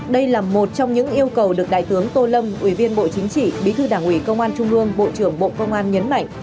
đây là một trong những yêu cầu được đại tướng tô lâm ủy viên bộ chính trị bí thư đảng ủy công an trung ương bộ trưởng bộ công an nhấn mạnh